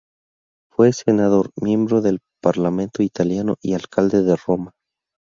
Fue Senador, miembro del Parlamento italiano, y Alcalde de Roma.